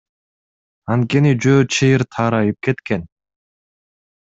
Анткени жөө чыйыр тарайып кеткен.